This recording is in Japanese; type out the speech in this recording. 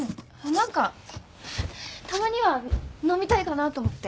何かたまには飲みたいかなと思って。